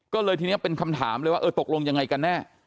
ก็เลยทีนี้เป็นคำถามเลยว่าเออตกลงยังไงกันแน่